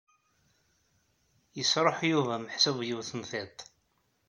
Yesṛuḥ Yuba meḥsub yiwet n tiṭ.